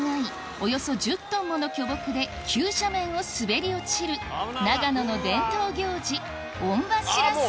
およそ１０トンもの巨木で急斜面を滑り落ちる長野の伝統行事